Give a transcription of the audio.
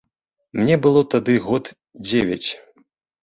Мне было тады год дзевяць.